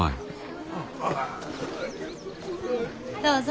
どうぞ。